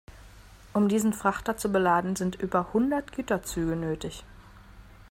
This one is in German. Um diesen Frachter zu beladen, sind über hundert Güterzüge nötig.